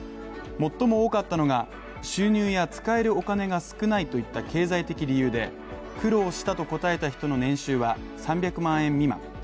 最も多かったのが、収入や使えるお金が少ないといった経済的理由で、苦労したと答えた人の年収は３００万円未満。